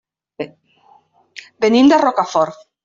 Venim de Rocafort.